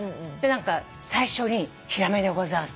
最初に「ヒラメでございます」